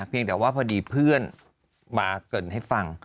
แต่ว่าพอดีเพื่อนมาเกิดให้ฟัง